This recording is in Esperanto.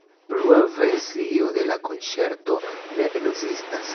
Plua versio de la konĉerto ne ekzistas.